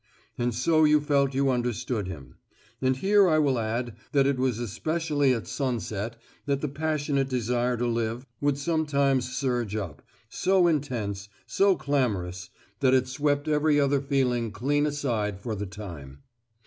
And so you felt you understood him. And here I will add that it was especially at sunset that the passionate desire to live would sometimes surge up, so intense, so clamorous, that it swept every other feeling clean aside for the time.